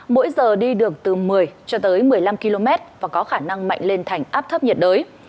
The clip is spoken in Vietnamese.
mỗi giờ đi được từ một mươi cho tới một mươi năm km và có khả năng mạnh lên thành áp thấp nhiệt đới